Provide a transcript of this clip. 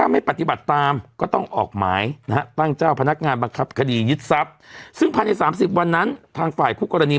เมียแกก็รับบอกว่าพี่อัดยังอยู่ข้างในอยู่เลย